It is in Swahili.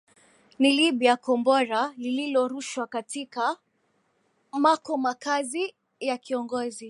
ni libya kombora lililorushwa katika mako makazi ya kiongozi